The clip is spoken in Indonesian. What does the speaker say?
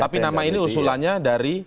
tapi nama ini usulannya dari